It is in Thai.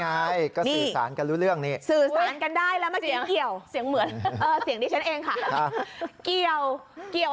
แล้วก็สื่อสารกันเรื่องกันได้แล้วเกี่ยวเสียงเหมือนเสียงตัวเองครับเกี่ยวเกี่ยว